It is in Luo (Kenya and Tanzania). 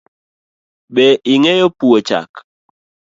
Be ing’eyo puo chak?